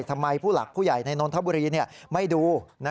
ผู้หลักผู้ใหญ่ในนนทบุรีไม่ดู